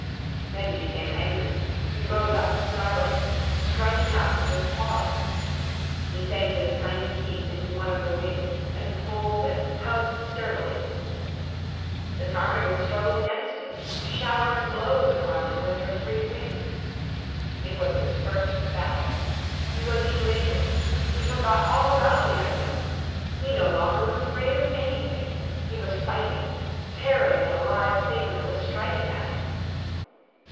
Then he became angry. He rose up, snarling, striking out with his paws. He sank his tiny teeth into one of the wings and pulled and tugged sturdily. The ptarmigan struggled against him, showering blows upon him with her free wing. It was his first battle. He was elated. He forgot all about the unknown. He no longer was afraid of anything. He was fighting, tearing at a live thing that was striking at him.